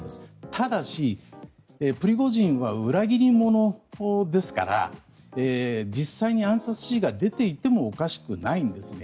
ただし、プリゴジンは裏切り者ですから実際に暗殺指示が出ていてもおかしくないんですね。